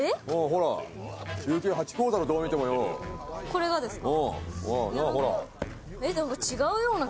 これがですか？